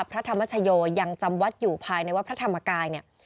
พระธรรมชโยยังจำวัดอยู่ภายในวัดพระธรรมกายเนี่ย